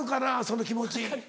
その気持ち。